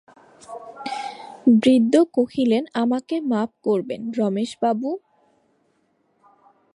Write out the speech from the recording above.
বৃদ্ধ কহিলেন, আমাকে মাপ করিবেন রমেশবাবু।